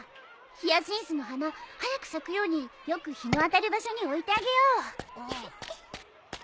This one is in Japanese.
ヒヤシンスの花早く咲くようによく日の当たる場所に置いてあげよう。